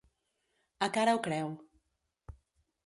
A cara o creu.